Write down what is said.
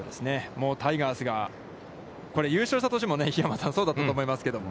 もうタイガースが優勝した年も桧山さん、そうだったと思いますけども。